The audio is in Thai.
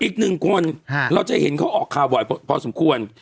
อีกหนึ่งคนเราจะเห็นเขาออกข่าวบ่อยพอสมควร